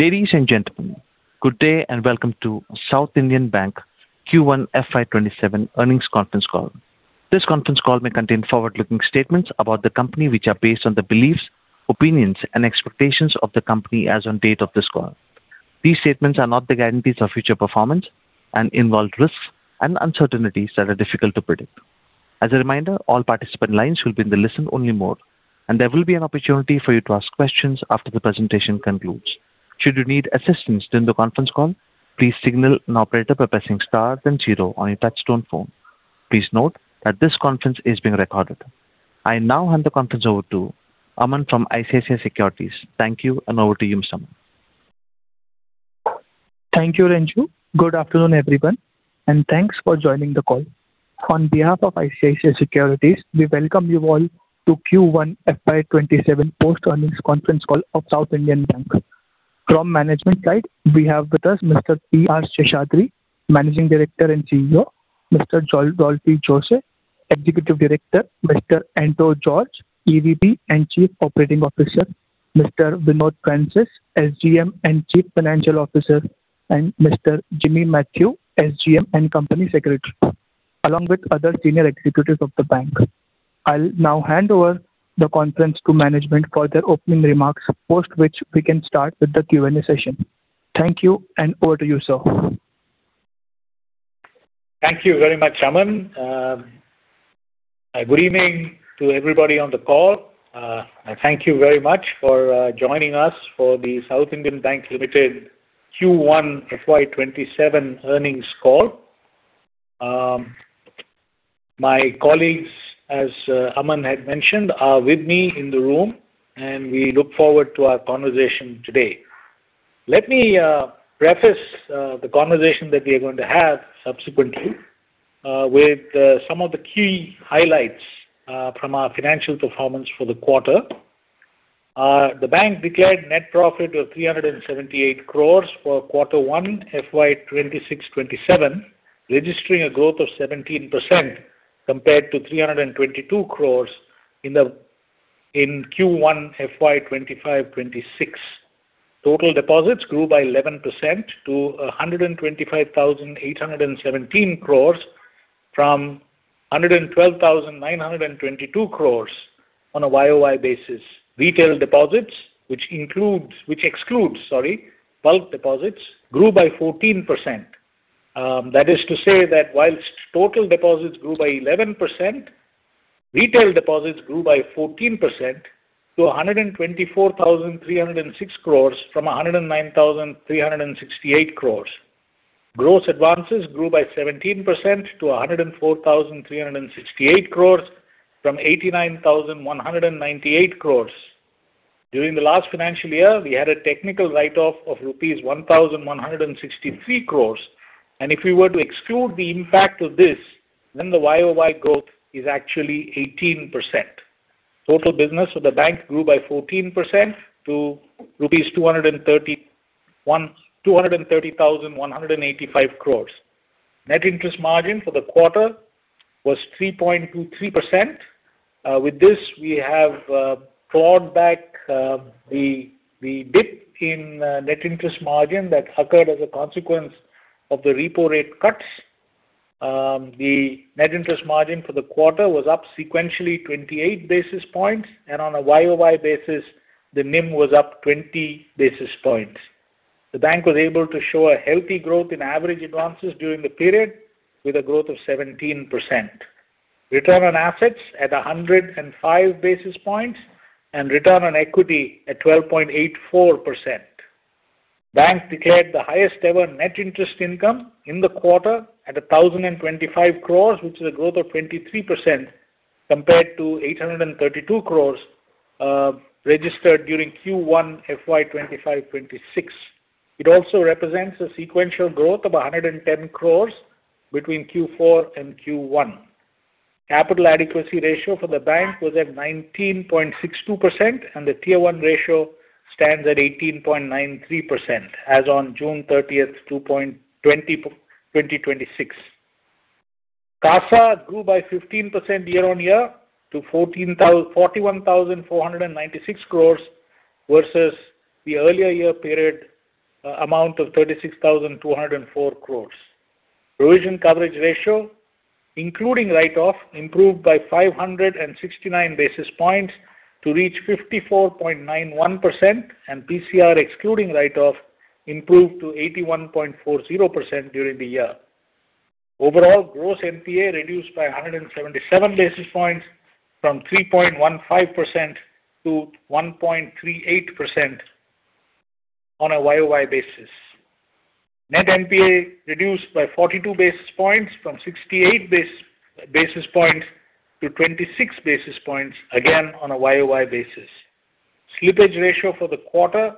Ladies and gentlemen, good day and welcome to South Indian Bank Q1 FY 2027 Earnings Conference Call. This conference call may contain forward-looking statements about the company, which are based on the beliefs, opinions, and expectations of the company as on date of this call. These statements are not the guarantees of future performance and involve risks and uncertainties that are difficult to predict. As a reminder, all participant lines will be in the listen only mode, and there will be an opportunity for you to ask questions after the presentation concludes. Should you need assistance during the conference call, please signal an operator by pressing star then zero on your touch-tone phone. Please note that this conference is being recorded. I now hand the conference over to [Aman] from ICICI Securities. Thank you, and over to you, sir. Thank you, Renju. Good afternoon, everyone, and thanks for joining the call. On behalf of ICICI Securities, we welcome you all to Q1 FY 2027 post-earnings conference call of South Indian Bank. From management side, we have with us P. R. Seshadri, Managing Director and CEO, Dolphy Jose, Executive Director, Anto George, EVP and Chief Operating Officer, Vinod Francis, SGM and Chief Financial Officer, and Jimmy Mathew, SGM and Company Secretary, along with other senior executives of the bank. I will now hand over the conference to management for their opening remarks, post which we can start with the Q&A session. Thank you, and over to you, sir. Thank you very much, Aman. Good evening to everybody on the call. Thank you very much for joining us for The South Indian Bank Limited Q1 FY 2027 earnings call. My colleagues, as Aman had mentioned, are with me in the room, and we look forward to our conversation today. Let me preface the conversation that we are going to have subsequently with some of the key highlights from our financial performance for the quarter. The bank declared net profit of 378 crores for quarter one FY 2026/2027, registering a growth of 17% compared to 322 crores in Q1 FY 2025/2026. Total deposits grew by 11% to 125,817 crores from 112,922 crores on a YoY basis. Retail deposits, which excludes bulk deposits, grew by 14%. That is to say that whilst total deposits grew by 11%, retail deposits grew by 14% to 124,306 crores from 109,368 crores. Gross advances grew by 17% to 104,368 crores from 89,198 crores. During the last financial year, we had a technical write-off of rupees 1,163 crores, and if we were to exclude the impact of this, then the YoY growth is actually 18%. Total business of the bank grew by 14% to rupees 230,185 crores. Net interest margin for the quarter was 3.23%. With this, we have clawed back the dip in net interest margin that occurred as a consequence of the repo rate cuts. The net interest margin for the quarter was up sequentially 28 basis points, and on a YoY basis, the NIM was up 20 basis points. The bank was able to show a healthy growth in average advances during the period with a growth of 17%. Return on assets at 105 basis points and return on equity at 12.84%. Bank declared the highest-ever net interest income in the quarter at 1,025 crores, which is a growth of 23% compared to 832 crores registered during Q1 FY 2025/2026. It also represents a sequential growth of 110 crores between Q4 and Q1. Capital adequacy ratio for the Bank was at 19.62%, and the Tier-1 ratio stands at 18.93% as on June 30th, 2026. CASA grew by 15% year-on-year to 41,496 crores versus the earlier year period amount of 36,204 crores. Provision Coverage Ratio, including write-off, improved by 569 basis points to reach 54.91%, and PCR excluding write-off improved to 81.40% during the year. Overall, gross NPA reduced by 177 basis points from 3.15% to 1.38% on a YoY basis. Net NPA reduced by 42 basis points from 68 basis points to 26 basis points, again, on a YoY basis. Slippage ratio for the quarter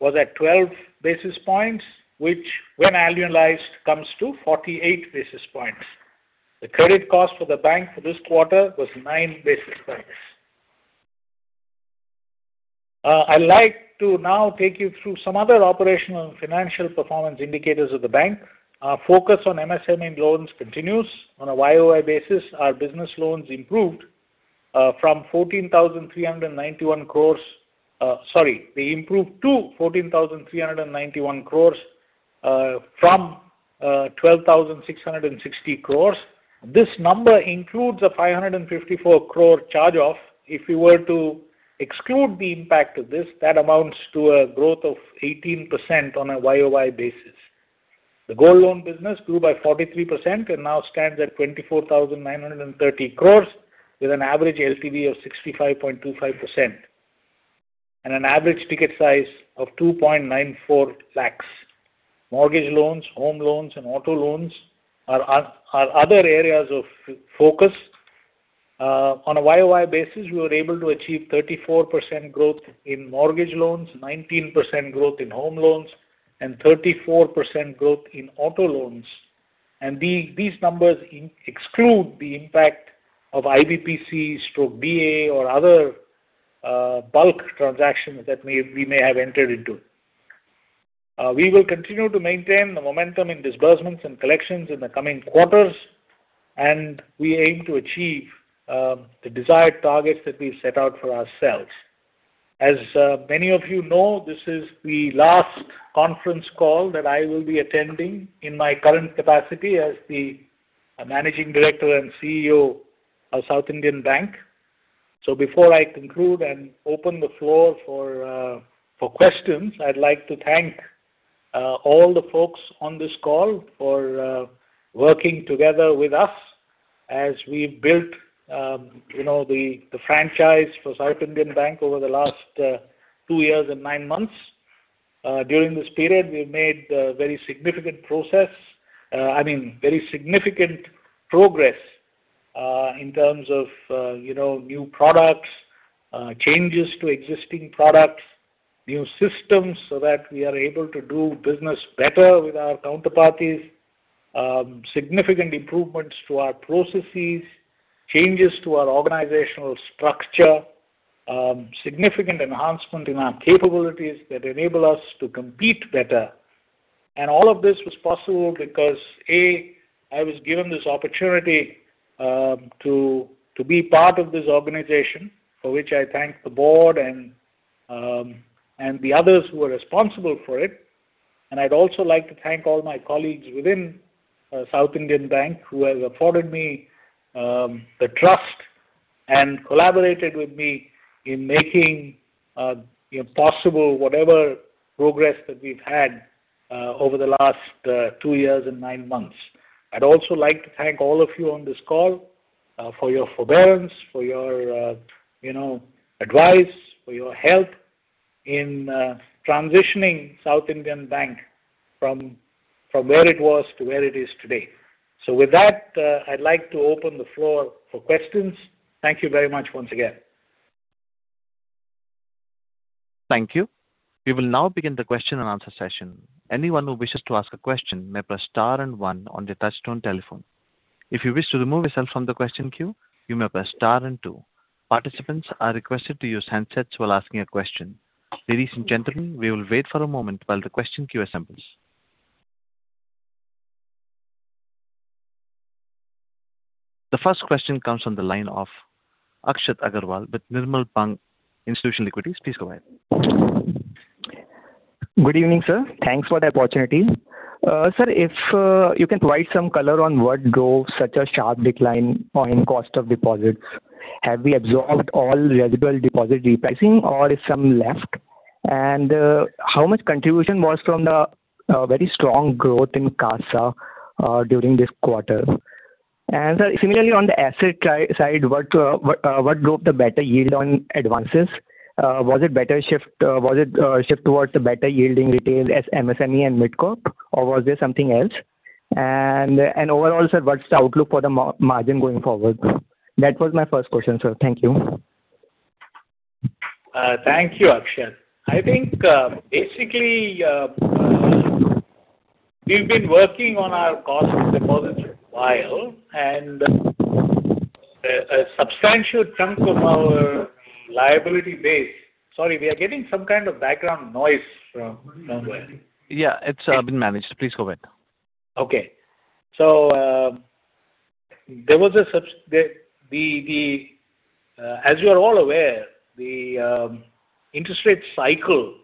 was at 12 basis points, which when annualized comes to 48 basis points. The credit cost for the Bank for this quarter was 9 basis points. I'd like to now take you through some other operational and financial performance indicators of the Bank. Our focus on MSME loans continues. On a YoY basis, our business loans improved from 14,391 crores. Sorry, we improved to 14,391 crores from 12,660 crores. This number includes a 554 crores charge-off. If you were to exclude the impact of this, that amounts to a growth of 18% on a YoY basis. The Gold loan business grew by 43% and now stands at 24,930 crores, with an average LTV of 65.25% and an average ticket size of 2.94 lakhs. Mortgage loans, home loans, and auto loans are other areas of focus. On a YoY basis, we were able to achieve 34% growth in mortgage loans, 19% growth in home loans, and 34% growth in auto loans. These numbers exclude the impact of IBPCs or BA or other bulk transactions that we may have entered into. We will continue to maintain the momentum in disbursements and collections in the coming quarters, and we aim to achieve the desired targets that we've set out for ourselves. As many of you know, this is the last conference call that I will be attending in my current capacity as the Managing Director and CEO of South Indian Bank. Before I conclude and open the floor for questions, I'd like to thank all the folks on this call for working together with us as we built the franchise for South Indian Bank over the last two years and nine months. During this period, we've made very significant progress, in terms of new products, changes to existing products, new systems so that we are able to do business better with our counterparties, significant improvements to our processes, changes to our organizational structure, significant enhancement in our capabilities that enable us to compete better. All of this was possible because, A, I was given this opportunity to be part of this organization, for which I thank the board and the others who are responsible for it. I'd also like to thank all my colleagues within South Indian Bank who have afforded me the trust and collaborated with me in making possible whatever progress that we've had over the last two years and nine months. I'd also like to thank all of you on this call for your forbearance, for your advice, for your help in transitioning South Indian Bank from where it was to where it is today. With that, I'd like to open the floor for questions. Thank you very much once again. Thank you. We will now begin the question and answer session. Anyone who wishes to ask a question may press star one on their touch-tone telephone. If you wish to remove yourself from the question queue, you may press star two. Participants are requested to use handsets while asking a question. Ladies and gentlemen, we will wait for a moment while the question queue assembles. The first question comes from the line of Akshat Agrawal with Nirmal Bang Institutional Equities. Please go ahead. Good evening, sir. Thanks for the opportunity. Sir, if you can provide some color on what drove such a sharp decline in cost of deposits. Have we absorbed all residual deposit repricing or is some left? How much contribution was from the very strong growth in CASA during this quarter? Sir, similarly on the asset side, what drove the better yield on advances? Was it shift towards the better-yielding retail as MSME and Mid-Corp? Or was there something else? Overall, sir, what's the outlook for the margin going forward? That was my first question, sir. Thank you. Thank you, Akshat. I think basically we've been working on our cost deposits a while a substantial chunk of our liability base. Sorry, we are getting some kind of background noise from somewhere. Yeah, it's been managed. Please go ahead. Okay. As you are all aware, the interest rate cycle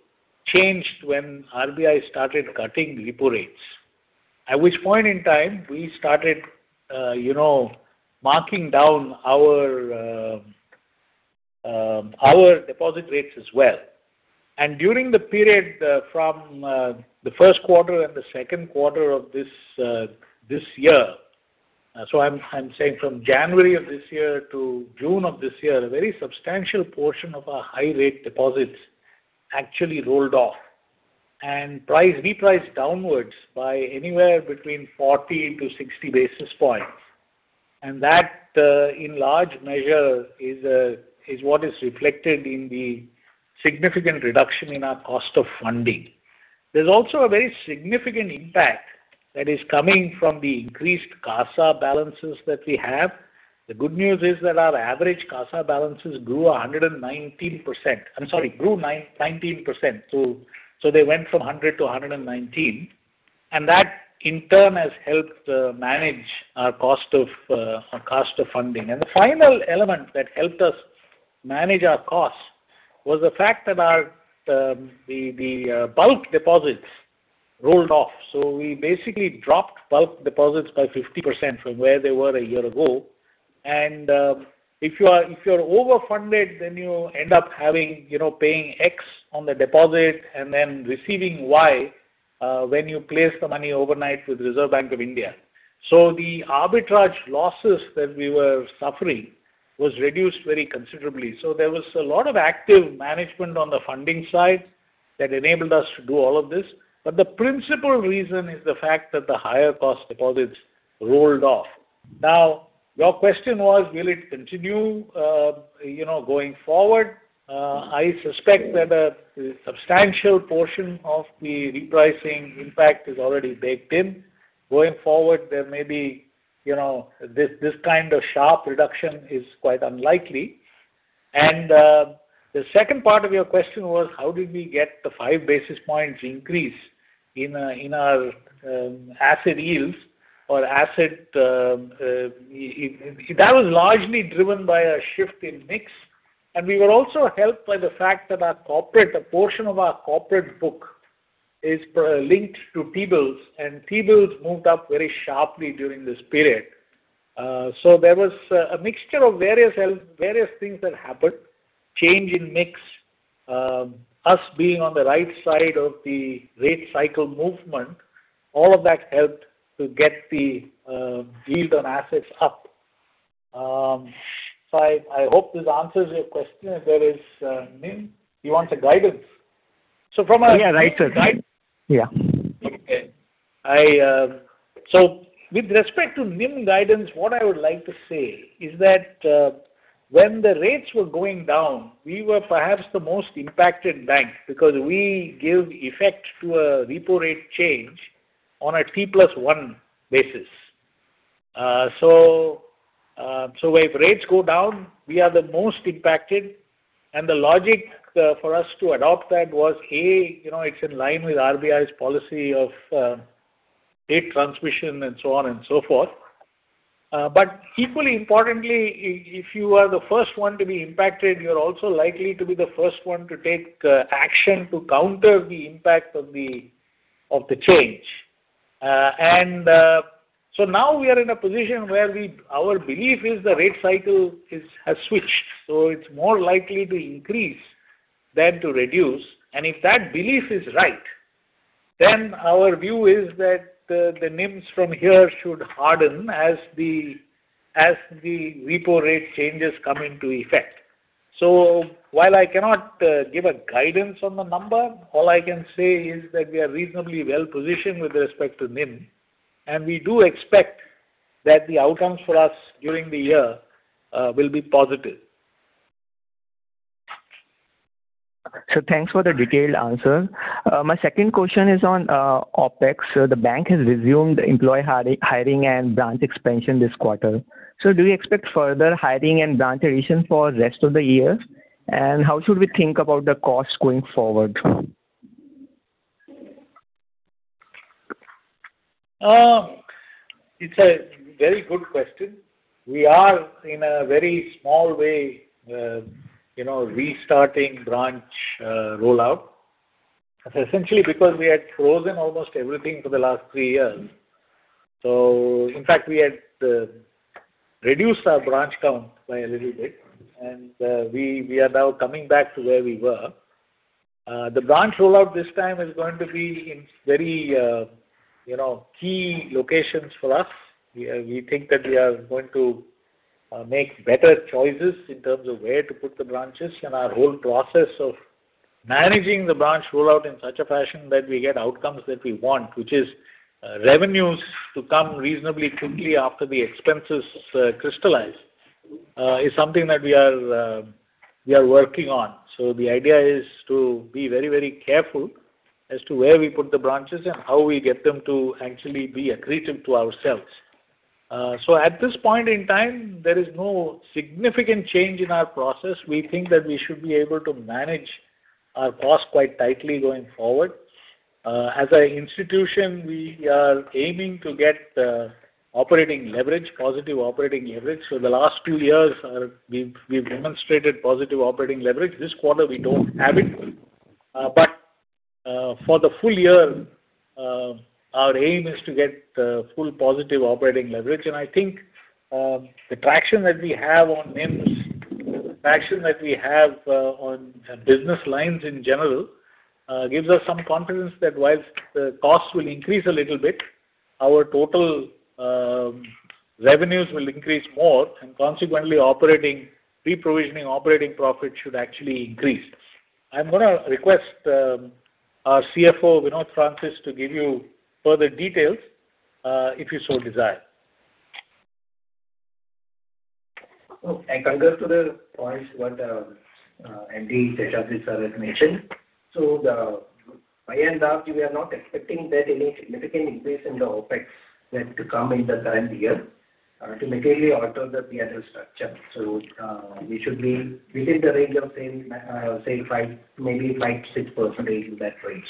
changed when RBI started cutting repo rates. At which point in time we started marking down our deposit rates as well. During the period from the first quarter and the second quarter of this year, so I'm saying from January of this year to June of this year, a very substantial portion of our high-rate deposits actually rolled off and repriced downwards by anywhere between 40-60 basis points. That in large measure is what is reflected in the significant reduction in our cost of funding. There's also a very significant impact that is coming from the increased CASA balances that we have. The good news is that our average CASA balances grew 19%. They went from 100%-119%. That in turn has helped manage our cost of funding. The final element that helped us manage our costs was the fact that the bulk deposits rolled off. We basically dropped bulk deposits by 50% from where they were a year ago. If you're over-funded, then you end up paying X on the deposit and then receiving Y when you place the money overnight with Reserve Bank of India. The arbitrage losses that we were suffering was reduced very considerably. There was a lot of active management on the funding side that enabled us to do all of this. The principal reason is the fact that the higher-cost deposits rolled off. Now, your question was, will it continue going forward? I suspect that a substantial portion of the repricing impact is already baked in. Going forward, this kind of sharp reduction is quite unlikely. The second part of your question was how did we get the 5 basis points increase in our asset yields. That was largely driven by a shift in mix, and we were also helped by the fact that a portion of our corporate book is linked to T-bills, and T-bills moved up very sharply during this period. There was a mixture of various things that happened. Change in mix, us being on the right side of the rate cycle movement, all of that helped to get the yield on assets up. I hope this answers your question. There is NIM, you want a guidance? Right? Yeah. Okay. With respect to NIM guidance, what I would like to say is that when the rates were going down, we were perhaps the most impacted bank because we give effect to a repo rate change on a T+1 basis. If rates go down, we are the most impacted. The logic for us to adopt that was, A, it's in line with RBI's policy of rate transmission and so on and so forth. Equally importantly, if you are the first one to be impacted, you're also likely to be the first one to take action to counter the impact of the change. Now we are in a position where our belief is the rate cycle has switched, so it's more likely to increase than to reduce. If that belief is right, our view is that the NIMs from here should harden as the repo rate changes come into effect. While I cannot give a guidance on the number, all I can say is that we are reasonably well-positioned with respect to NIM, and we do expect that the outcomes for us during the year will be positive. Thanks for the detailed answer. My second question is on OpEx. The bank has resumed employee hiring and branch expansion this quarter. Do you expect further hiring and branch addition for rest of the year? How should we think about the cost going forward? It's a very good question. We are in a very small way restarting branch rollout. Essentially because we had frozen almost everything for the last three years. In fact, we had reduced our branch count by a little bit, and we are now coming back to where we were. The branch rollout this time is going to be in very key locations for us. We think that we are going to make better choices in terms of where to put the branches and our whole process of managing the branch rollout in such a fashion that we get outcomes that we want, which is revenues to come reasonably quickly after the expenses crystallize, is something that we are working on. The idea is to be very careful as to where we put the branches and how we get them to actually be accretive to ourselves. At this point in time, there is no significant change in our process. We think that we should be able to manage our costs quite tightly going forward. As a institution, we are aiming to get positive operating leverage. The last two years we've demonstrated positive operating leverage. This quarter we don't have it. For the full year, our aim is to get full positive operating leverage. I think the traction that we have on NIMs, the traction that we have on business lines in general, gives us some confidence that whilst the cost will increase a little bit, our total revenues will increase more, and consequently pre-provisioning operating profit should actually increase. I'm going to request our CFO, Vinod Francis, to give you further details if you so desire. I concur to the points what MD Seshadri has mentioned. My end, we are not expecting that any significant increase in the OpEx that to come in the current year to materially alter the P&L structure. We should be within the range of, say, maybe 5%-6% in that range.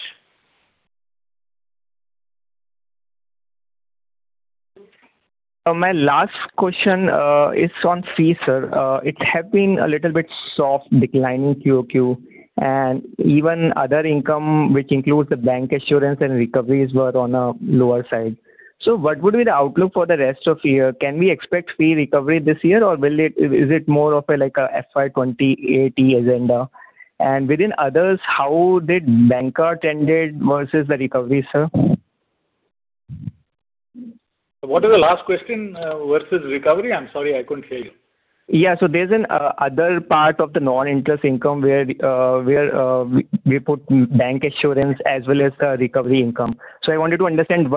My last question is on fee, sir. It has been a little bit soft declining QoQ and even other income, which includes the bancassurance and recoveries were on a lower side. What would be the outlook for the rest of the year? Can we expect fee recovery this year? Or is it more of a FY 2030 agenda? Within others, how did bancassurance versus the recovery, sir? What is the last question? Versus recovery? I'm sorry, I couldn't hear you. Yeah. There's an other part of the non-interest income where we put bancassurance as well as the recovery income. I wanted to understand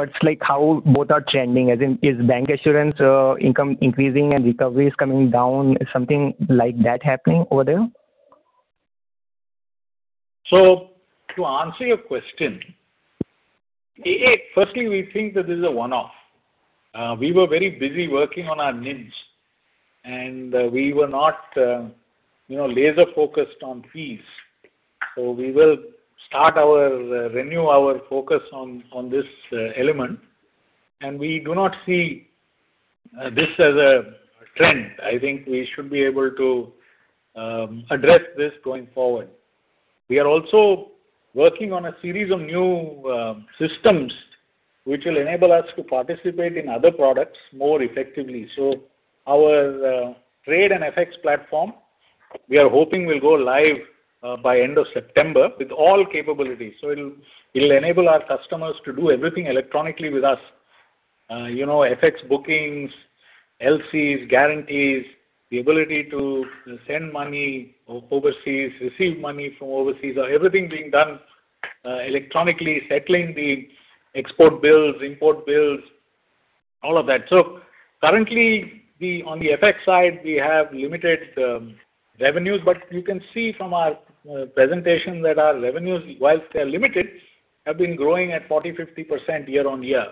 how both are trending, as in, is bancassurance income increasing and recoveries coming down? Is something like that happening over there? To answer your question, firstly, we think that this is a one-off. We were very busy working on our NIMs and we were not laser-focused on fees. We will renew our focus on this element and we do not see this as a trend. I think we should be able to address this going forward. We are also working on a series of new systems which will enable us to participate in other products more effectively. Our trade and FX platform, we are hoping will go live by end of September with all capabilities. It'll enable our customers to do everything electronically with us. FX bookings, LCs, guarantees, the ability to send money overseas, receive money from overseas, everything being done electronically, settling the export bills, import bills, all of that. Currently, on the FX side, we have limited revenues, but you can see from our presentation that our revenues, whilst they're limited, have been growing at 40%-50% year-on-year.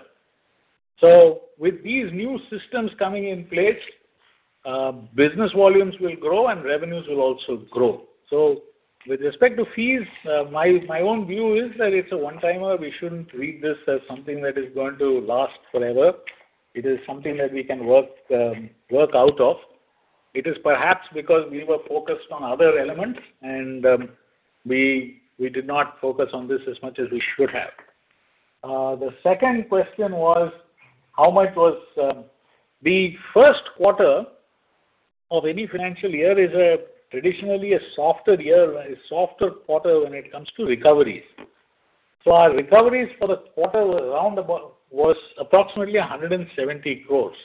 With these new systems coming in place, business volumes will grow and revenues will also grow. With respect to fees, my own view is that it's a one-timer. We shouldn't read this as something that is going to last forever. It is something that we can work out of. It is perhaps because we were focused on other elements and we did not focus on this as much as we should have. The first quarter of any financial year is traditionally a softer quarter when it comes to recoveries. Our recoveries for the quarter was approximately 170 crores.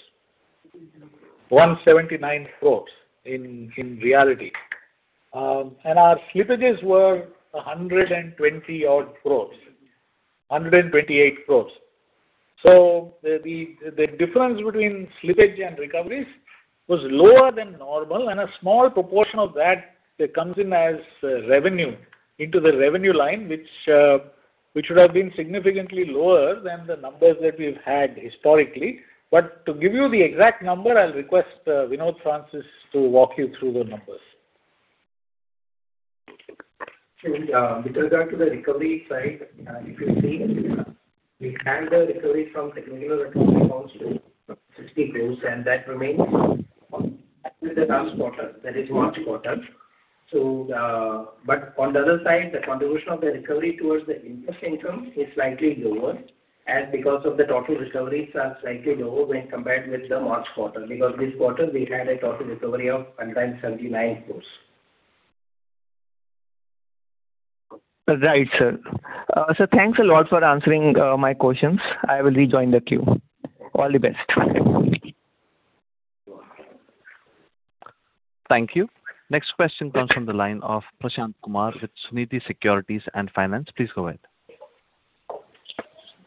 179 crores in reality. Our slippages were 120-odd crores, 128 crores. The difference between slippage and recoveries was lower than normal and a small proportion of that comes in as revenue into the revenue line, which should have been significantly lower than the numbers that we've had historically. To give you the exact number, I'll request Vinod Francis to walk you through the numbers. With regard to the recovery side, if you see, we had the recovery from technical accounts to INR 60 crores and that remains with the last quarter, that is March quarter. On the other side, the contribution of the recovery towards the interest income is slightly lower and because of the total recoveries are slightly lower when compared with the March quarter because this quarter we had a total recovery of 179 crores. Right, sir. Sir, thanks a lot for answering my questions. I will rejoin the queue. All the best. Thank you. Next question comes from the line of Prashant Kumar with Sunidhi Securities & Finance. Please go ahead.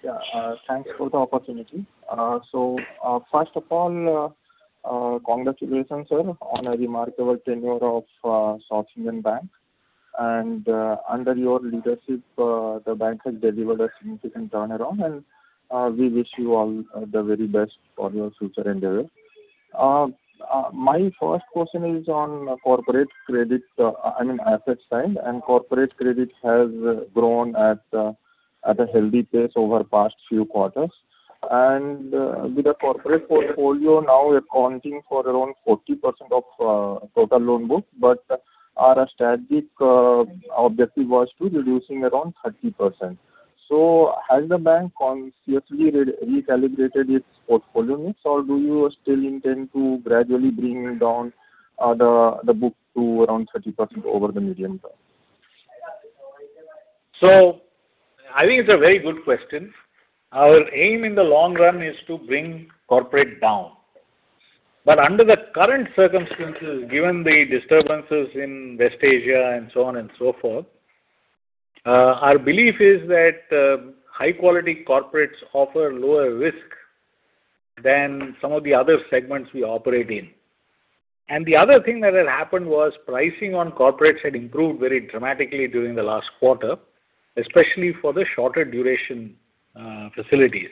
Yeah. Thanks for the opportunity. First of all, congratulations, sir, on a remarkable tenure of South Indian Bank and under your leadership, the bank has delivered a significant turnaround and we wish you all the very best for your future endeavors. My first question is on corporate credit. I am in asset side, corporate credit has grown at a healthy pace over past few quarters. With the corporate portfolio now accounting for around 40% of total loan book, our strategic objective was to reducing around 30%. Has the bank consciously recalibrated its portfolio mix or do you still intend to gradually bring down the book to around 30% over the medium term? I think it's a very good question. Our aim in the long run is to bring corporate down. Under the current circumstances, given the disturbances in West Asia and so on and so forth, our belief is that high-quality corporates offer lower risk than some of the other segments we operate in. The other thing that had happened was pricing on corporates had improved very dramatically during the last quarter, especially for the shorter duration facilities.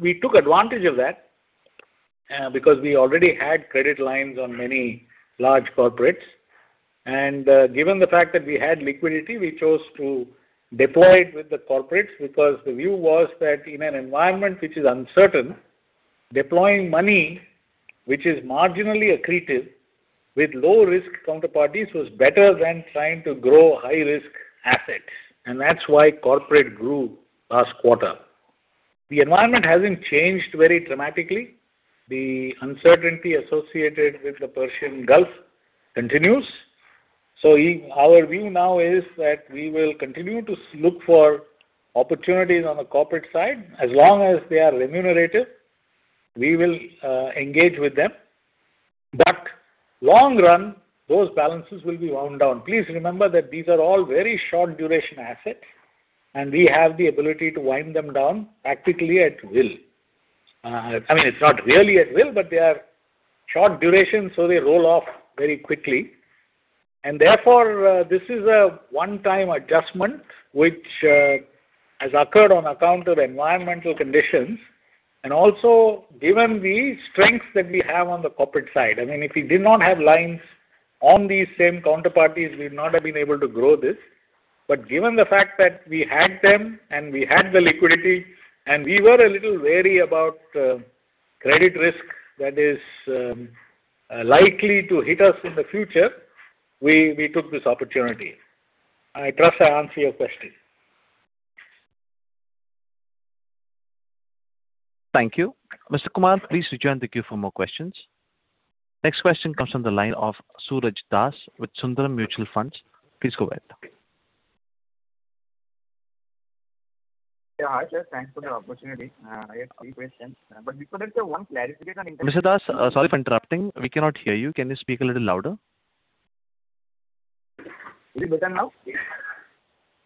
We took advantage of that because we already had credit lines on many large corporates. Given the fact that we had liquidity, we chose to deploy it with the corporates because the view was that in an environment which is uncertain, deploying money, which is marginally accretive with low-risk counterparties, was better than trying to grow high-risk assets. That's why corporate grew last quarter. The environment hasn't changed very dramatically. The uncertainty associated with the Persian Gulf continues. Our view now is that we will continue to look for opportunities on the corporate side. As long as they are remunerative, we will engage with them. Long run, those balances will be wound down. Please remember that these are all very short-duration assets, and we have the ability to wind them down practically at will. I mean, it's not really at will, but they are short duration, so they roll off very quickly. Therefore, this is a one-time adjustment which has occurred on account of environmental conditions, and also given the strengths that we have on the corporate side. I mean, if we did not have lines on these same counterparties, we would not have been able to grow this. Given the fact that we had them and we had the liquidity, and we were a little wary about credit risk that is likely to hit us in the future, we took this opportunity. I trust I answered your question. Thank you. Mr. Kumar, please rejoin the queue for more questions. Next question comes on the line of Suraj Das with Sundaram Mutual Fund. Please go ahead. Yeah. Hi, sir. Thanks for the opportunity. I have three questions. Before that, sir, one clarification. Mr. Das, sorry for interrupting. We cannot hear you. Can you speak a little louder? Is it better now?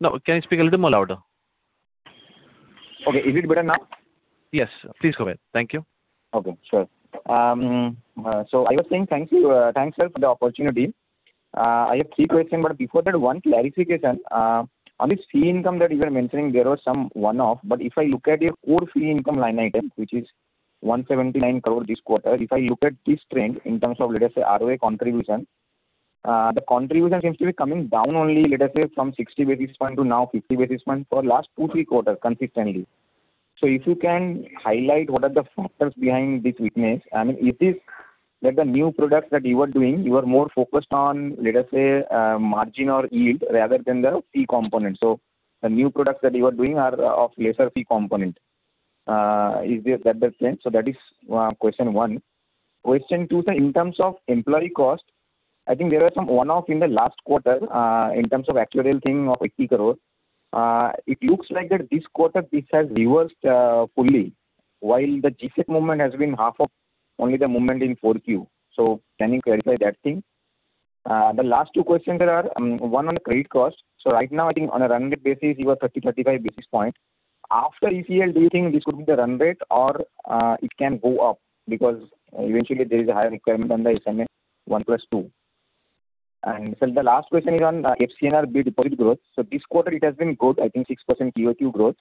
No. Can you speak a little more louder? Okay. Is it better now? Yes. Please go ahead. Thank you. Okay. Sure. I was saying thanks, sir for the opportunity. I have three questions, but before that one clarification. On this fee income that you are mentioning, there was some one-off, but if I look at your core fee income line item, which is 179 crore this quarter. If I look at this trend in terms of, let us say, RoA contribution. The contribution seems to be coming down only, let us say, from 60 basis point to now 50 basis point for last two, three quarter consistently. If you can highlight what are the factors behind this weakness? I mean, is it that the new product that you are doing, you are more focused on, let us say, margin or yield rather than the fee component. The new products that you are doing are of lesser fee component. Is that the plan? That is question one. Question two, sir. In terms of employee cost, I think there were some one-off in the last quarter, in terms of actuarial thing of 80 crore. It looks like that this quarter this has reversed fully while the G-Sec movement has been half of only the movement in Q4. Can you clarify that thing? The last two questions are, one on the credit cost. Right now, I think on a run rate basis, you are 30, 35 basis points. After ECL, do you think this could be the run rate or it can go up? Because eventually there is a higher requirement on the SMA 1+2. Sir, the last question is on FCNR deposit growth. This quarter it has been good, I think 6% QoQ growth.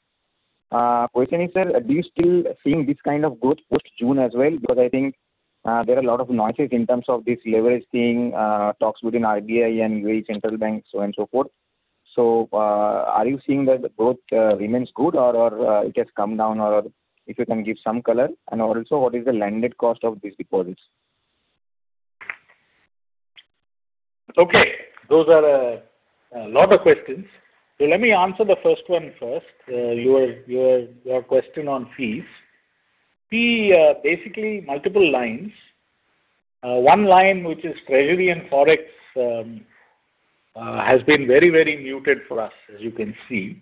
Question is, sir, do you still think this kind of growth post June as well? Because I think there are a lot of noises in terms of this leveraging talks within RBI and way central banks so and so forth. Are you seeing that the growth remains good or it has come down or if you can give some color. Also what is the landed cost of these deposits? Those are a lot of questions. Let me answer the first one first, your question on fees. Fee, basically multiple lines. One line which is Treasury and Forex has been very muted for us as you can see.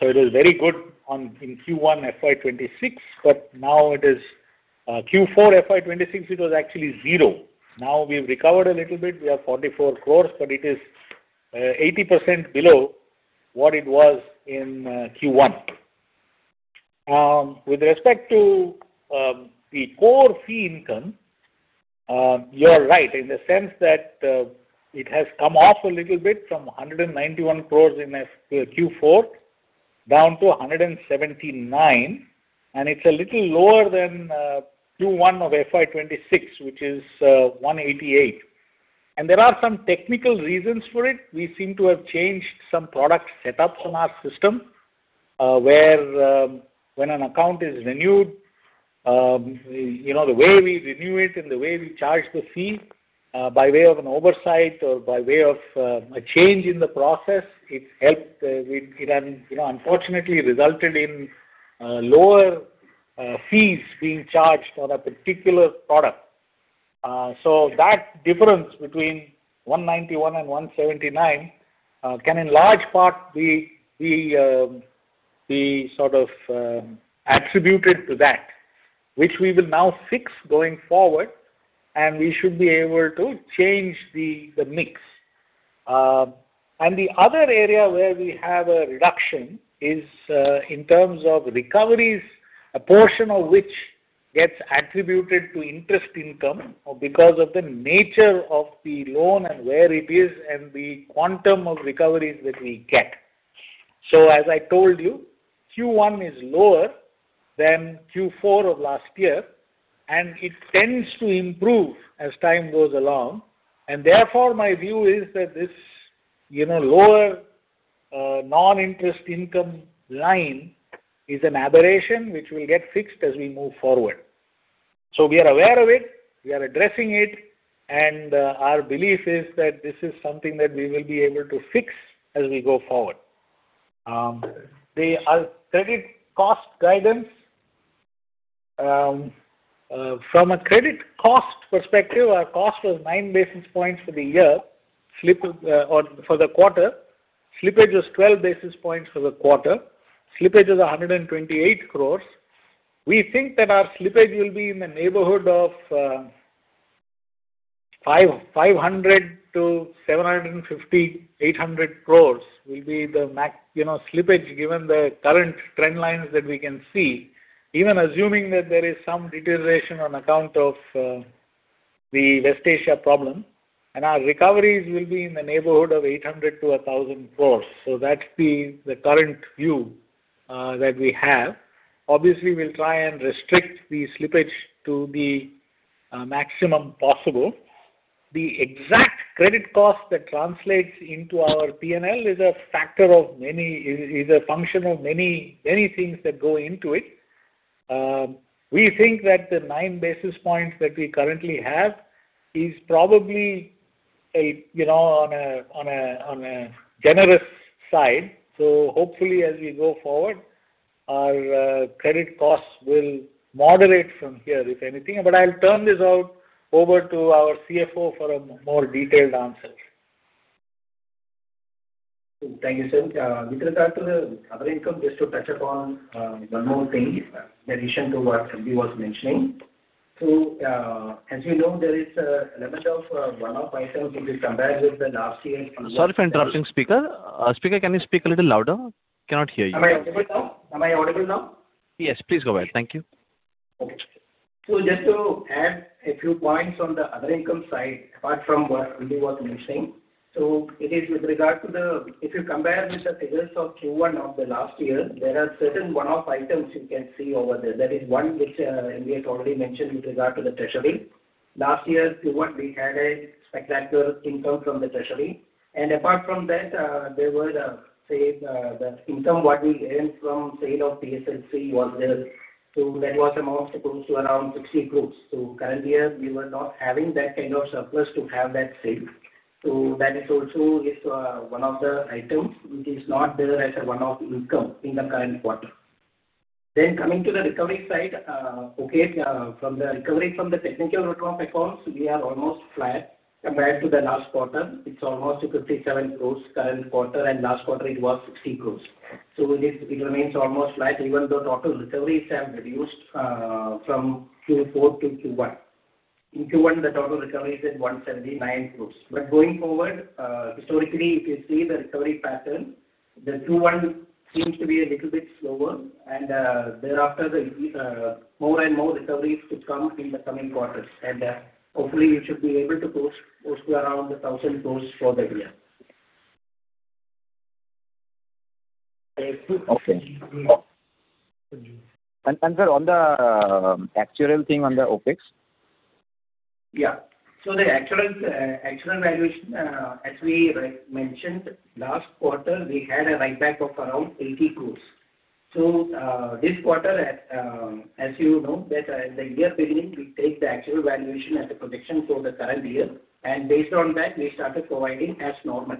It was very good in Q1 FY 2026, but now it is Q4 FY 2026, it was actually zero. Now we've recovered a little bit. We have 44 crores, but it is 80% below what it was in Q1. With respect to the core fee income, you're right in the sense that it has come off a little bit from 191 crores in Q4 down to 179 crores, and it's a little lower than Q1 of FY 2026, which is 188 crores. There are some technical reasons for it. We seem to have changed some product setup on our system where when an account is renewed, the way we renew it and the way we charge the fee by way of an oversight or by way of a change in the process, it unfortunately resulted in lower fees being charged on a particular product. That difference between 191 crores and 179 crores can in large part be sort of attributed to that, which we will now fix going forward, and we should be able to change the mix. The other area where we have a reduction is in terms of recoveries, a portion of which gets attributed to interest income because of the nature of the loan and where it is and the quantum of recoveries that we get. As I told you, Q1 is lower than Q4 of last year, and it tends to improve as time goes along. Therefore my view is that this lower non-interest income line is an aberration which will get fixed as we move forward. We are aware of it, we are addressing it, and our belief is that this is something that we will be able to fix as we go forward. Our credit cost guidance. From a credit cost perspective, our cost was 9 basis points for the quarter. Slippage was 12 basis points for the quarter. Slippage was 128 crores. We think that our slippage will be in the neighborhood of 500 crores-750 crores, 800 crores will be the slippage given the current trend lines that we can see, even assuming that there is some deterioration on account of the West Asia problem. Our recoveries will be in the neighborhood of 800 crores-1,000 crores. That's the current view that we have. Obviously, we'll try and restrict the slippage to the maximum possible. The exact credit cost that translates into our P&L is a function of many things that go into it. We think that the nine basis points that we currently have is probably on a generous side. Hopefully, as we go forward, our credit costs will moderate from here, if anything. I'll turn this over to our CFO for a more detailed answer. Thank you, sir. With regard to the other income, just to touch upon one more thing in addition to what MD was mentioning. As you know, there is a limit of one-off items if you compare with the last year- Sorry for interrupting, speaker. Speaker, can you speak a little louder? Cannot hear you. Am I audible now? Am I audible now? Yes. Please go ahead. Thank you. Okay. Just to add a few points on the other income side, apart from what MD was mentioning. It is with regard to the, if you compare with the figures of Q1 of the last year, there are certain one-off items you can see over there. That is one which we had already mentioned with regard to the treasury. Last year, Q1, we had a spectacular income from the treasury. Apart from that, there was the income what we earned from sale of PSLC was there. That was amongst close to around 60 crores. Current year, we were not having that kind of surplus to have that sale. That is also one of the items which is not there as a one-off income in the current quarter. Coming to the recovery side. From the recovery from the technical wrote-off accounts, we are almost flat compared to the last quarter. It's almost 57 crores current quarter and last quarter it was 60 crores. It remains almost flat even though total recoveries have reduced from Q4 to Q1. In Q1, the total recovery is at 179 crores. Going forward, historically, if you see the recovery pattern, the Q1 seems to be a little bit slower and thereafter more and more recoveries to come in the coming quarters. Hopefully we should be able to close to around 1,000 crores for the year. Okay. Sir, on the actuarial thing on the OpEx? The actuarial valuation as we mentioned last quarter, we had a write-back of around 80 crores. This quarter, as you know that at the year beginning, we take the actuarial valuation as a prediction for the current year and based on that we started providing as normal.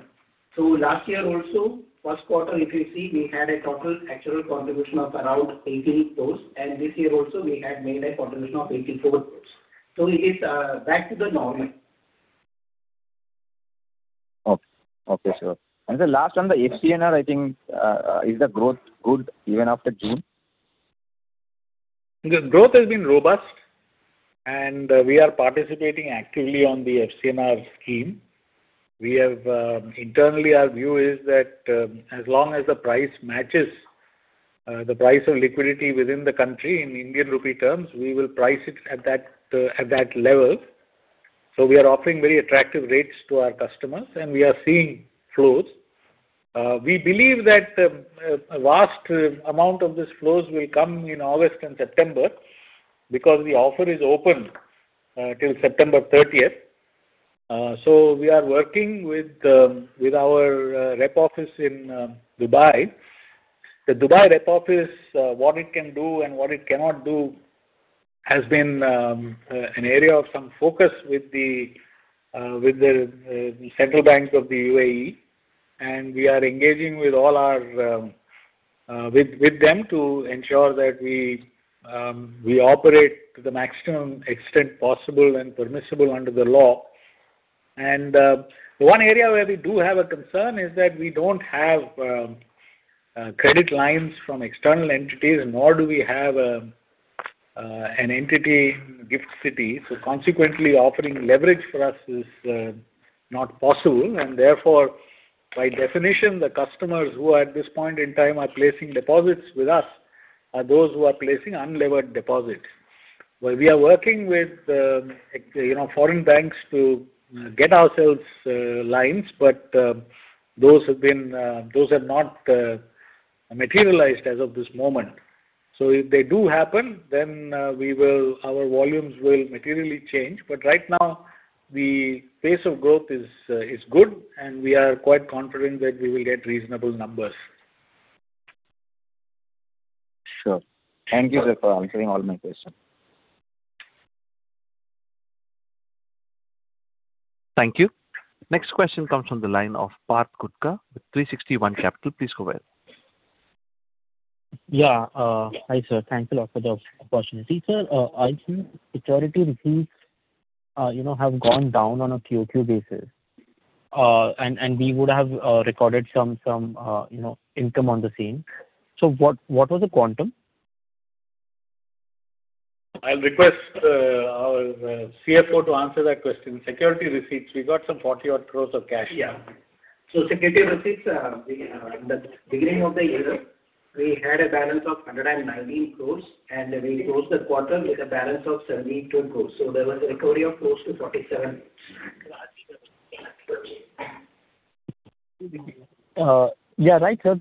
Last year also, first quarter if you see, we had a total actuarial contribution of around 80 crores and this year also we had made a contribution of 84 crores. It is back to the normal. Okay, sure. The last one, the FCNR, I think is the growth good even after June? The growth has been robust and we are participating actively on the FCNR scheme. Internally, our view is that as long as the price matches the price of liquidity within the country in Indian rupee terms, we will price it at that level. We are offering very attractive rates to our customers and we are seeing flows. We believe that a vast amount of these flows will come in August and September because the offer is open till September 30th. We are working with our rep office in Dubai. The Dubai rep office, what it can do and what it cannot do has been an area of some focus with the Central bank of the U.A.E. and we are engaging with them to ensure that we operate to the maximum extent possible and permissible under the law. One area where we do have a concern is that we don't have credit lines from external entities nor do we have an entity in GIFT City. Consequently, offering leverage for us is not possible. Therefore, by definition, the customers who at this point in time are placing deposits with us are those who are placing unlevered deposits. Well, we are working with foreign banks to get ourselves lines, but those have not materialized as of this moment. If they do happen, then our volumes will materially change. Right now, the pace of growth is good, and we are quite confident that we will get reasonable numbers. Sure. Thank you, sir, for answering all my questions. Thank you. Next question comes from the line of Parth Gutka with 360 One Capital. Please go ahead. Yeah. Hi, sir. Thanks a lot for the opportunity. Sir, I see security receipts have gone down on a QoQ basis. We would have recorded some income on the same. What was the quantum? I'll request our CFO to answer that question. Security receipts, we got some 40-odd crores of cash. Yeah. Security Receipts, in the beginning of the year, we had a balance of 190 crores, and we closed the quarter with a balance of 72 crores. There was a recovery of close to 47 crores. Yeah, right, sir.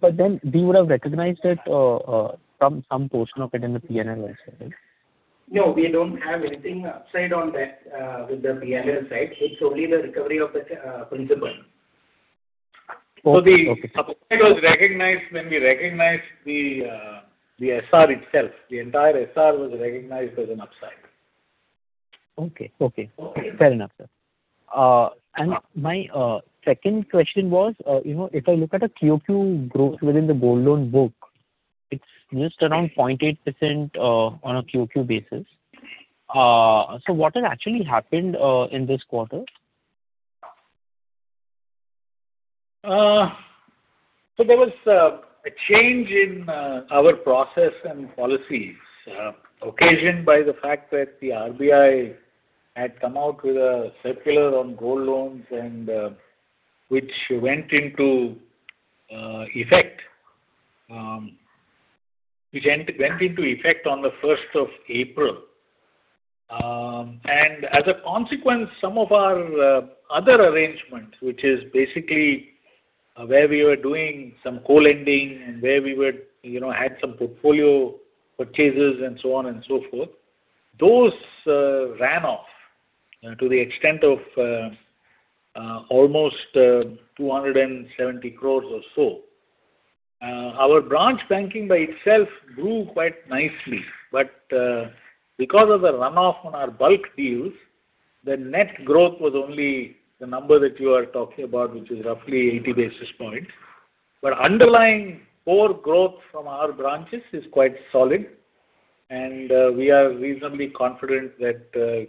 We would have recognized some portion of it in the P&L side? No, we don't have anything upside on that with the P&L side. It's only the recovery of the principal. Okay. The upside was recognized when we recognized the SR itself. The entire SR was recognized as an upside. Okay. Fair enough, sir. My second question was, if I look at a QoQ growth within the Gold loan book, it's just around 0.8% on a QoQ basis. What has actually happened in this quarter? There was a change in our process and policies occasioned by the fact that the RBI had come out with a circular on Gold loans and which went into effect on the 1st of April. As a consequence, some of our other arrangements, which is basically where we were doing some co-lending and where we had some portfolio purchases and so on and so forth, those ran off to the extent of almost 270 crores or so. Our branch banking by itself grew quite nicely. Because of the runoff on our bulk deals, the net growth was only the number that you are talking about, which is roughly 80 basis points. Underlying core growth from our branches is quite solid, and we are reasonably confident that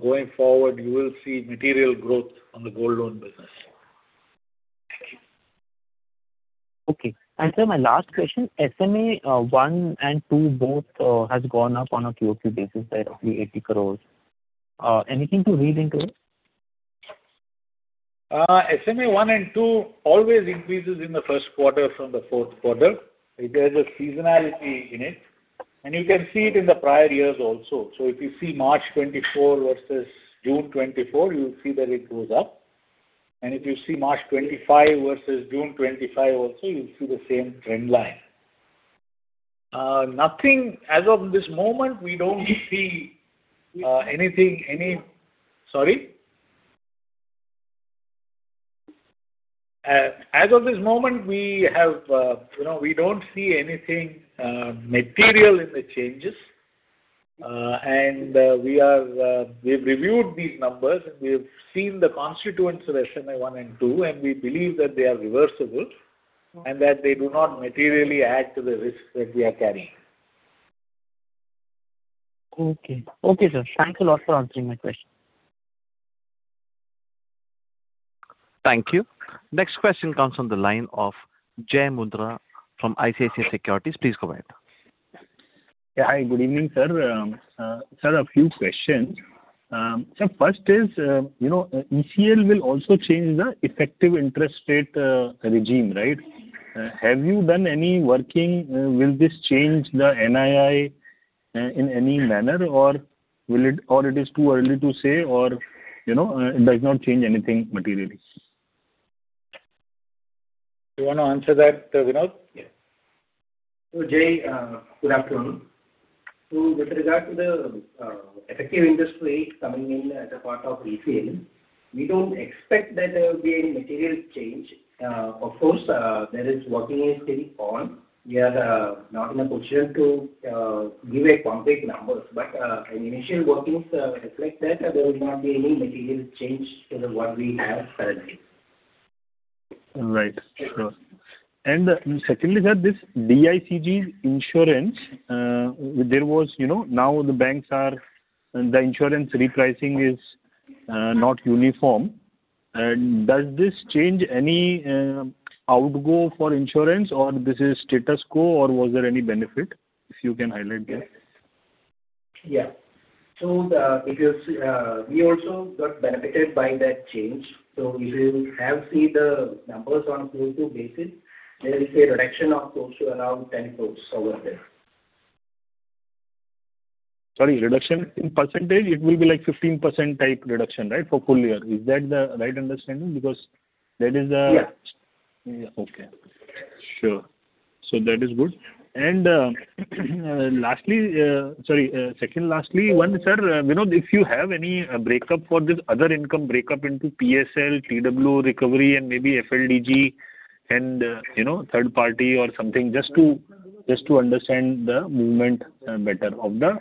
going forward, you will see material growth on the Gold loan business. Thank you. Okay. Sir, my last question, SMA 1 and 2 both has gone up on a QoQ basis by roughly 80 crores. Anything to read into it? SMA 1 and 2 always increases in the first quarter from the fourth quarter. It has a seasonality in it. You can see it in the prior years also. If you see March 2024 versus June 2024, you'll see that it goes up. If you see March 2025 versus June 2025 also, you'll see the same trend line. Nothing as of this moment, we don't see anything. Sorry. As of this moment, we don't see anything material in the changes. We've reviewed these numbers and we've seen the constituents of SMA 1 and 2, and we believe that they are reversible and that they do not materially add to the risk that we are carrying. Okay, sir. Thank you a lot for answering my question. Thank you. Next question comes from the line of Jai Mundhra from ICICI Securities. Please go ahead. Yeah. Hi, good evening, sir. Sir, a few questions. Sir, first is, ECL will also change the effective interest rate regime, right? Have you done any working? Will this change the NII in any manner or it is too early to say, or it does not change anything materially? You want to answer that, Vinod? Jai, good afternoon. With regard to the effective interest rate coming in as a part of ECL, we don't expect that there will be any material change. Of course, there is working still on. We are not in a position to give a concrete number. Initial workings reflect that there will not be any material change in what we have currently. All right. Sure. Secondly, sir, this DICGC insurance. Now the insurance repricing is not uniform. Does this change any outgo for insurance or this is status quo or was there any benefit? If you can highlight that. Because we also got benefited by that change. If you have seen the numbers on full year basis, there is a reduction of close to around 10 crores over there. Sorry, reduction in percentage, it will be like 15% type reduction, right? For full year. Is that the right understanding? Yes. Okay. Sure. That is good. Lastly, sorry, second lastly, one, sir, if you have any breakup for this other income breakup into PSL, TW recovery and maybe FLDG and third party or something, just to understand the movement better of the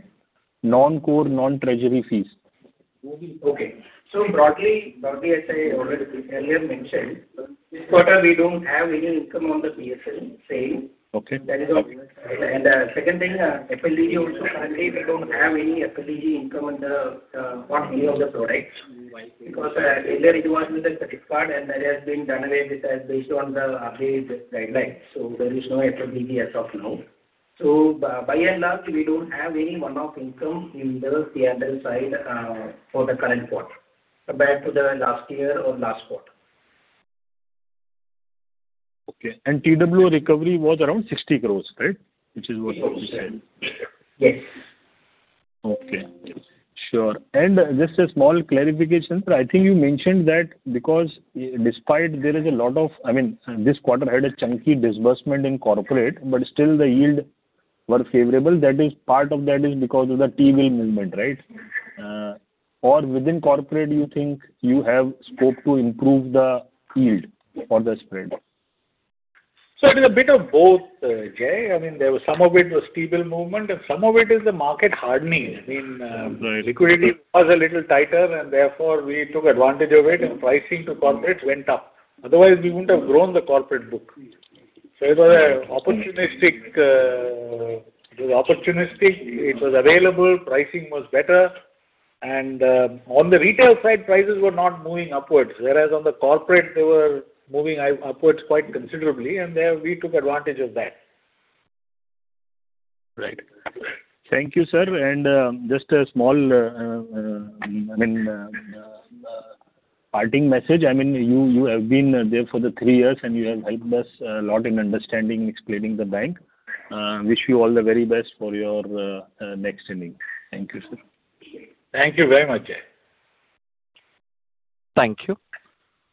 non-core, non-treasury fees. Okay. Broadly, as I already earlier mentioned, this quarter we don't have any income on the PSL side. Okay. That is obvious. Second thing, FLDG also currently we don't have any FLDG income on any of the products. Earlier it was with the credit card and that has been done away with as based on the updated guidelines. There is no FLDG as of now. By and large, we don't have any one-off income in the P&L side for the current quarter compared to the last year or last quarter. Okay. TW recovery was around 60 crores, right? Which is what you said. Yes. Okay. Sure. Just a small clarification, sir. I think you mentioned that because despite there is a lot of, I mean, this quarter had a chunky disbursement in corporate, still the yield were favorable. Part of that is because of the T-bill movement, right? Within corporate, do you think you have scope to improve the yield or the spread? It is a bit of both, Jai. I mean, some of it was T-bill movement, some of it is the market hardening. Right. Liquidity was a little tighter, therefore we took advantage of it, pricing to corporate went up. Otherwise, we wouldn't have grown the corporate book. It was opportunistic, it was available, pricing was better. On the retail side, prices were not moving upwards, whereas on the corporate they were moving upwards quite considerably, there we took advantage of that. Right. Thank you, sir. Just a small parting message. You have been there for the three years and you have helped us a lot in understanding and explaining the bank. Wish you all the very best for your next inning. Thank you, sir. Thank you very much, Jai. Thank you.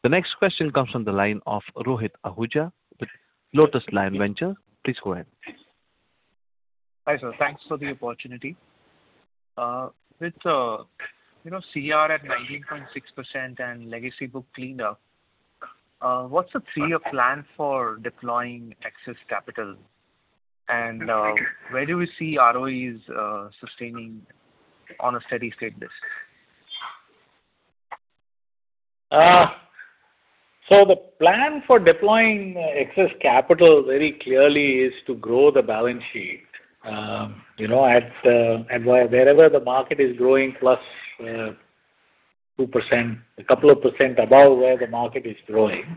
The next question comes from the line of Rohit Ahuja with LotusLion Venture. Please go ahead. Hi, sir. Thanks for the opportunity. With CR at 19.6% and legacy book cleaned up, what's the three-year plan for deploying excess capital? Where do we see ROEs sustaining on a steady state basis? The plan for deploying excess capital very clearly is to grow the balance sheet. Wherever the market is growing +2%, a couple of percent above where the market is growing.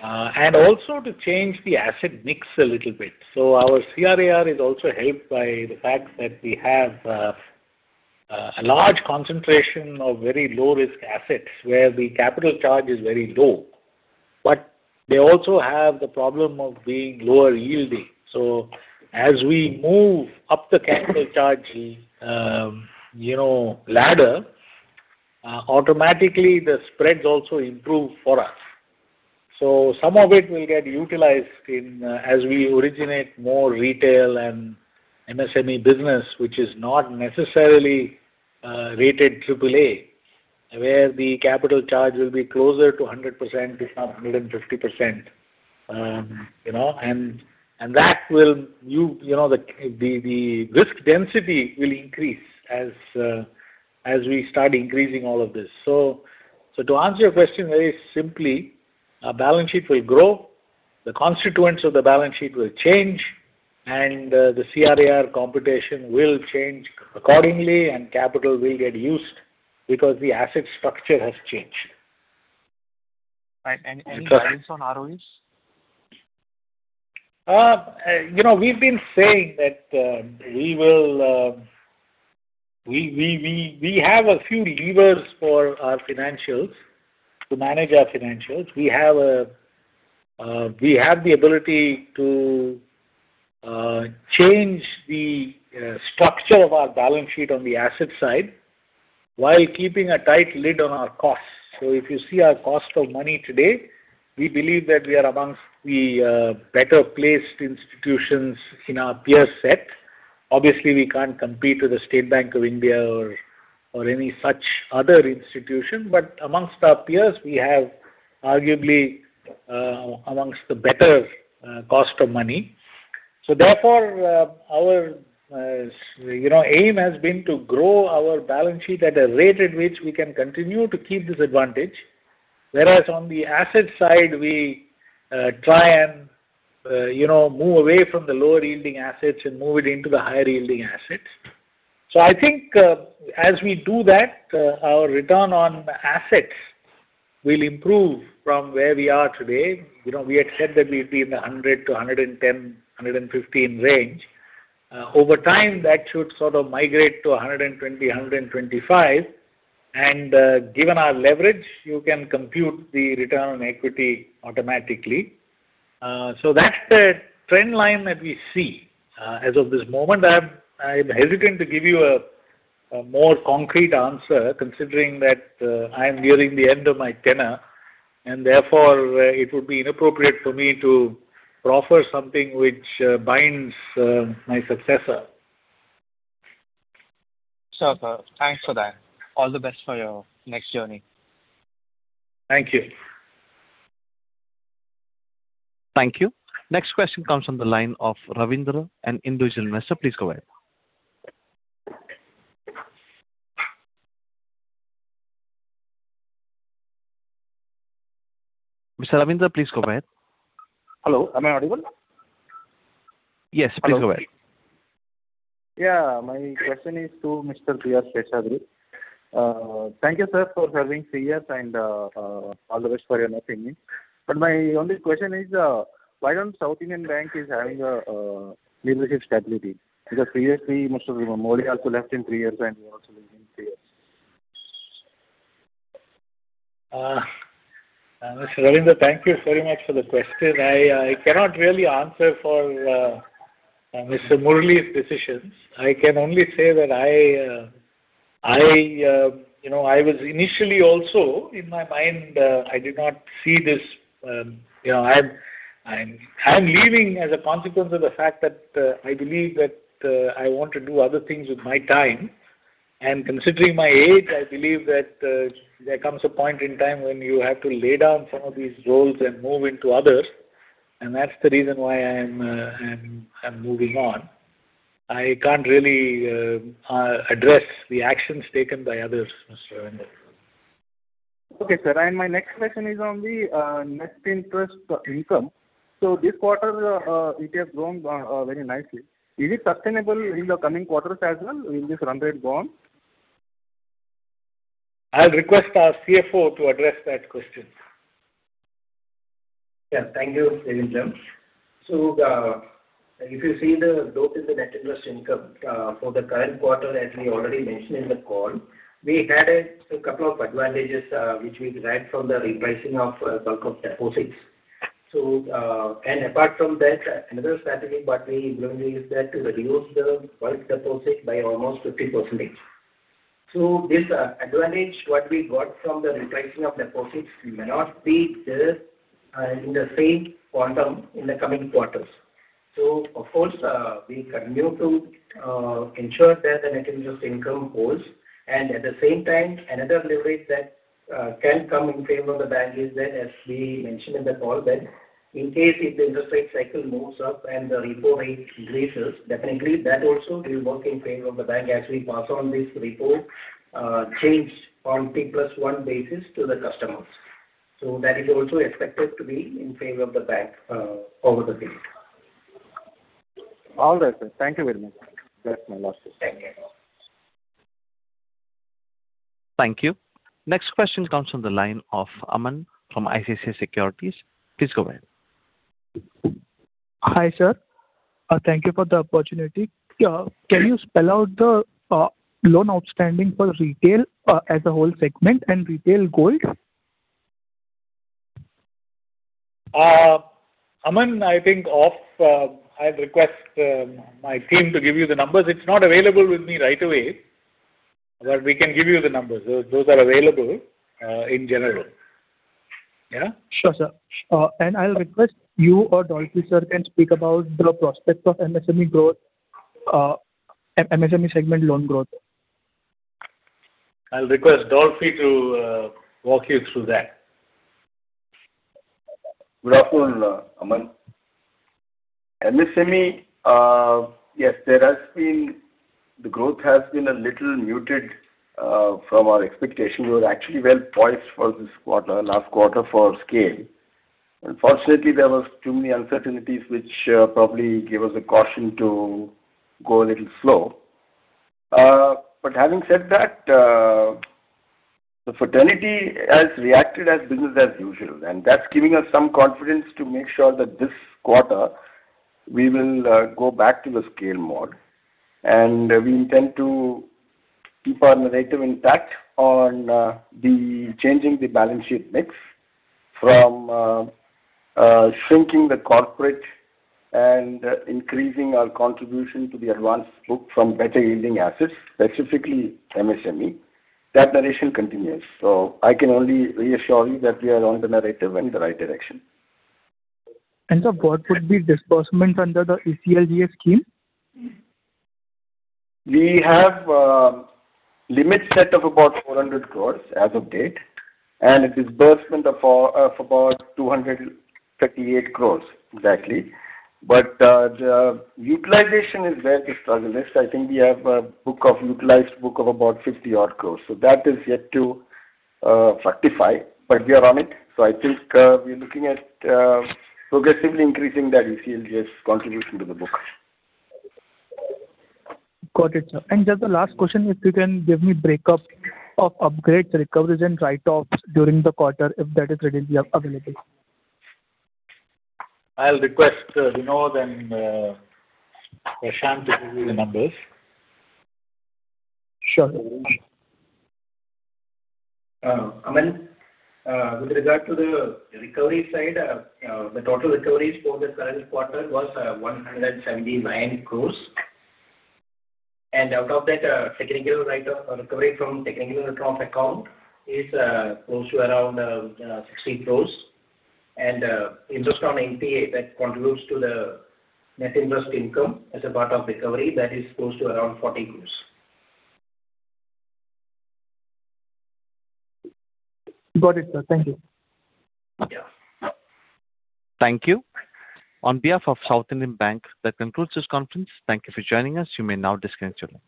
Also to change the asset mix a little bit. Our CRAR is also helped by the fact that we have a large concentration of very low-risk assets where the capital charge is very low. But they also have the problem of being lower yielding. As we move up the capital charge ladder, automatically the spreads also improve for us. Some of it will get utilized as we originate more retail and MSME business, which is not necessarily rated AAA, where the capital charge will be closer to 100%, if not 150%. The risk density will increase as we start increasing all of this. To answer your question very simply, our balance sheet will grow, the constituents of the balance sheet will change, and the CRAR computation will change accordingly and capital will get used because the asset structure has changed. Right. Any guidance on ROEs? We've been saying that we have a few levers for our financials to manage our financials. We have the ability to change the structure of our balance sheet on the asset side while keeping a tight lid on our costs. If you see our cost of money today, we believe that we are amongst the better placed institutions in our peer set. Obviously, we can't compete with the State Bank of India or any such other institution. Amongst our peers, we have arguably amongst the better cost of money. Therefore, our aim has been to grow our balance sheet at a rate at which we can continue to keep this advantage. Whereas on the asset side, we try and move away from the lower-yielding assets and move it into the higher-yielding assets. I think as we do that, our return on assets will improve from where we are today. We had said that we'd be in the 100-110, 115 range. Over time, that should sort of migrate to 120-125. Given our leverage, you can compute the return on equity automatically. That's the trend line that we see. As of this moment, I'm hesitant to give you a more concrete answer, considering that I'm nearing the end of my tenure, and therefore, it would be inappropriate for me to proffer something which binds my successor. Sure, sir. Thanks for that. All the best for your next journey. Thank you. Thank you. Next question comes from the line of [Ravindra] and Individual Investor. Please go ahead. Mr. Ravindra, please go ahead. Hello, am I audible? Yes, please go ahead. My question is to Mr. P. R. Seshadri. Thank you, sir, for serving three years and all the best for your new beginning. My only question is why don't South Indian Bank is having a leadership stability? Previously, Mr. Murali also left in three years, and you're also leaving in three years. Mr. Ravindra, thank you very much for the question. I cannot really answer for Mr. Murali's decisions. I can only say that I was initially also, in my mind, I did not see this I'm leaving as a consequence of the fact that I believe that I want to do other things with my time. Considering my age, I believe that there comes a point in time when you have to lay down some of these roles and move into others, and that's the reason why I'm moving on. I can't really address the actions taken by others, Mr. Ravindra. Okay, sir. My next question is on the net interest income. This quarter, it has grown very nicely. Is it sustainable in the coming quarters as well with this 100 bond? I'll request our CFO to address that question. Yeah, thank you, Ravindra. If you see the growth in the net interest income for the current quarter, as we already mentioned in the call, we had a couple of advantages which we derived from the repricing of bulk of deposits. Apart from that, another strategy what we implemented is that to reduce the bulk deposit by almost 50%. This advantage, what we got from the repricing of deposits may not be there in the same quantum in the coming quarters. Of course, we continue to ensure that the net interest income holds. At the same time, another leverage that can come in favor of the bank is that, as we mentioned in the call then, in case if the interest rate cycle moves up and the repo rate increases, definitely that also will work in favor of the bank as we pass on this repo change from T+1 basis to the customers. That is also expected to be in favor of the bank over the period. All right, sir. Thank you very much. That is my last question. Thank you. Thank you. Next question comes from the line of Aman from ICICI Securities. Please go ahead. Hi, sir. Thank you for the opportunity. Can you spell out the loan outstanding for retail as a whole segment and retail gold? Aman, I think I'll request my team to give you the numbers. It's not available with me right away, but we can give you the numbers. Those are available in general. Yeah? Sure, sir. I'll request you or Dolphy, sir, can speak about the prospect of MSME growth, MSME segment loan growth? I'll request Dolphy to walk you through that. Good afternoon, Aman. MSME, yes, the growth has been a little muted from our expectation. We were actually well-poised for this quarter, last quarter for scale. Unfortunately, there was too many uncertainties which probably gave us a caution to go a little slow. Having said that, the fraternity has reacted as business as usual, and that's giving us some confidence to make sure that this quarter we will go back to the scale mode. We intend to keep our narrative intact on changing the balance sheet mix from shrinking the corporate and increasing our contribution to the advance book from better-yielding assets, specifically MSME. That narration continues. I can only reassure you that we are on the narrative and the right direction. Sir, what would be disbursement under the ECLGS scheme? We have a limit set of about 400 crores as of date, a disbursement of about 238 crores exactly. The utilization is very struggle-ish. I think we have a utilized book of about 50-odd crores. That is yet to fructify, but we are on it. I think we're looking at progressively increasing that ECLGS contribution to the book. Got it, sir. Just the last question, if you can give me breakup of upgrades, recoveries, and write-offs during the quarter if that is readily available. I'll request Vinod and Seshadri to give you the numbers. Sure. Aman, with regard to the recovery side, the total recoveries for the current quarter was 179 crores. Out of that, technical write-off recovery from technical write-off account is close to around 57 crores. Interest from NPA that contributes to the net interest income as a part of recovery that is close to around 40 crores. Got it, sir. Thank you. Yeah. Thank you. On behalf of South Indian Bank, that concludes this conference. Thank you for joining us. You may now disconnect your lines.